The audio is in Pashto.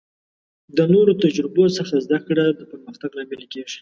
د نورو د تجربو څخه زده کړه د پرمختګ لامل کیږي.